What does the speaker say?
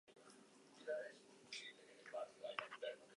Gaur abiatuko den medio guztietan, irrati, telebista eta interneten.